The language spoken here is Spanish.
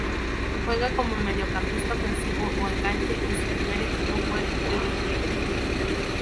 Juega como mediocampista ofensivo o enganche y su primer equipo fue River Plate.